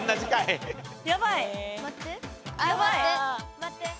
待って。